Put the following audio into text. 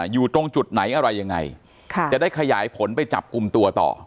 อยู่ตรงจุดไหนอะไรยังไงจะได้ขยายผลไปจับกลุ่มตัวต่อ